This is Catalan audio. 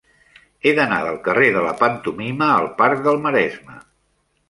He d'anar del carrer de la Pantomima al parc del Maresme.